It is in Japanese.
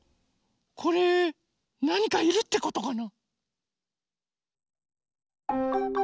これなにかいるってことかな？